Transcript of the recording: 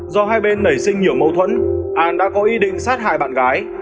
do hai bên nảy sinh nhiều mâu thuẫn an đã có ý định sát hại bạn gái